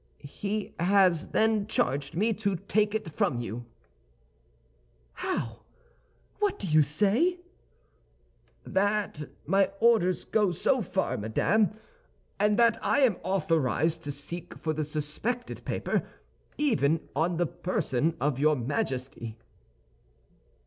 "He has, then, charged me to take it from you." "How! What do you say?" "That my orders go far, madame; and that I am authorized to seek for the suspected paper, even on the person of your Majesty."